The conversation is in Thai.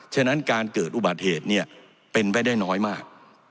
ฉะนั้นการเกิดอุบัติเหตุเนี่ยเป็นไปได้น้อยมาก